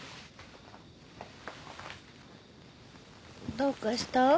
・どうかした？